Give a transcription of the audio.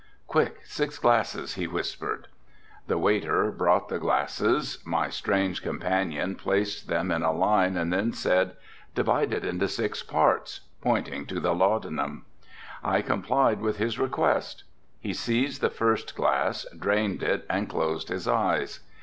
"Quick, six glasses," he whispered. The waiter brought the glasses. My strange companion placed them in a line and then said, "Divide it into six parts," pointing to the laudanum. I complied with his request. He seized the first glass, drained it and closed his eyes.